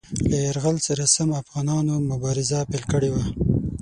له یرغل سره سم افغانانو مبارزه پیل کړې وه.